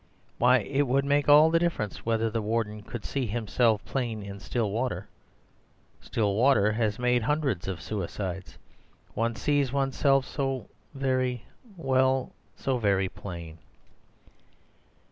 Why, it would make all the difference whether the Warden could see himself plain in still water. Still water has made hundreds of suicides: one sees oneself so very—well, so very plain."